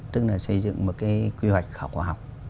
tức là xây dựng một cái quy hoạch khảo cổ học